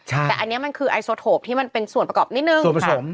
แต่อันนี้มันคือไอโซโทปที่มันเป็นส่วนประกอบนิดนึง